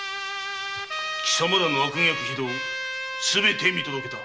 貴様らの悪逆非道すべて見届けた。